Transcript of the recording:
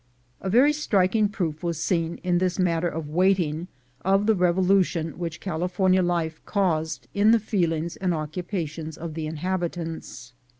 A very striking proof was seen, in this matter of waiting, of the revolution which California life caused in the feelings and occupations of the inhabitants.